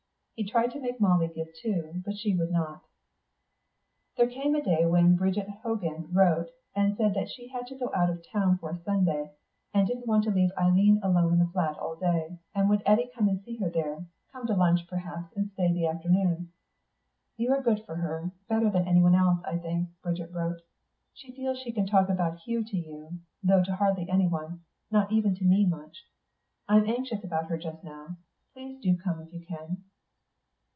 He tried to make Molly give too, but she would not. There came a day when Bridget Hogan wrote and said that she had to go out of town for Sunday, and didn't want to leave Eileen alone in the flat all day, and would Eddy come and see her there come to lunch, perhaps, and stay for the afternoon. "You are good for her; better than anyone else, I think," Bridget wrote. "She feels she can talk about Hugh to you, though to hardly anyone not even to me much. I am anxious about her just now. Please do come if you can."